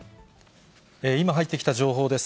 今、入ってきた情報です。